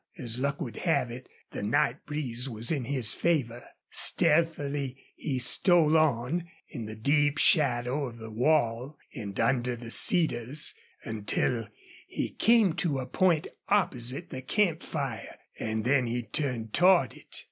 As luck would have it the night breeze was in his favor. Stealthily he stole on, in the deep shadow of the wall, and under the cedars, until he came to a point opposite the camp fire, and then he turned toward it.